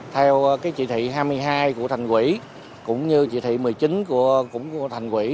theo chỉ thị hai mươi hai của thành quỹ cũng như chỉ thị một mươi chín của thành quỷ